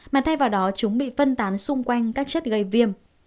mà thay vào đó chúng bị phân tán xung quanh các chất gây viêm